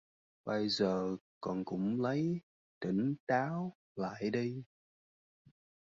Bây giờ con cũng lấy tỉnh táo lại đi